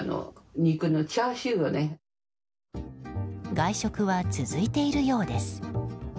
外食は続いているようです。